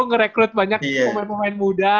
ngerekrut banyak pemain pemain muda